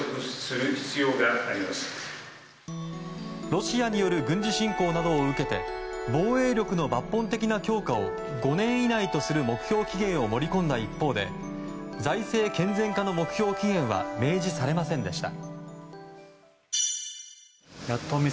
ロシアによる軍事侵攻などを受けて防衛力の抜本的な強化を５年以内とする目標期限を盛り込んだ一方で財政健全化の目標期限は明示されませんでした。